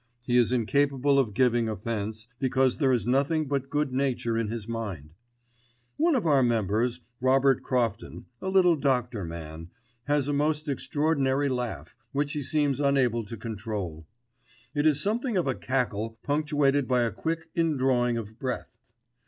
He is incapable of giving offence, because there is nothing but good nature in his mind. One of our members, Robert Crofton, a little doctor man, has a most extraordinary laugh, which he seems unable to control. It is something of a cackle punctuated by a quick indrawing of breath.